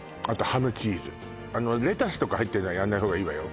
あとレタスとか入ってるのはやんない方がいいわよ